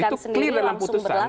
itu clear dalam putusan